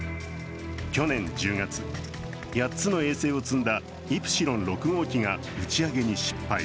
去年１０月、８つの衛星を積んだ「イプシロン６号機」が打ち上げに失敗。